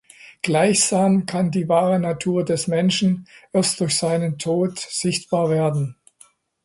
Gleichsam kann die wahre Natur des Menschen erst durch seinen Tod sichtbar werden.